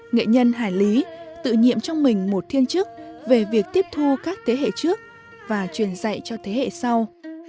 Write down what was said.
nghệ nhân hải lý tự nhiệm trong mình một thiên chức về việc tiếp thu các thế hệ trước và truyền dạy cho thế hệ sau